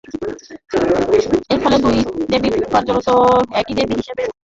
এর ফলে দুই দেবী কার্যত একই দেবী হিসেবে বিবেচিত হতে থাকেন।